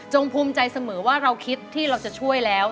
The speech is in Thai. ภูมิใจเสมอว่าเราคิดที่เราจะช่วยแล้ว